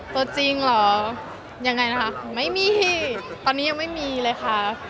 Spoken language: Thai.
ตัวจริงเหรอยังไงนะคะไม่มีตอนนี้ยังไม่มีเลยค่ะ